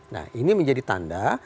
nah ini menjadi tanda